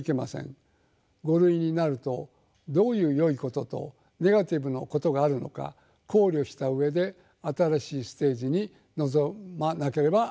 「５類」になるとどういうよいこととネガティブなことがあるのか考慮した上で新しいステージに臨まなければなりません。